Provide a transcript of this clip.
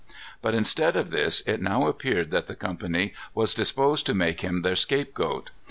But instead of this, it now appeared that the company was disposed to make him their "scapegoat."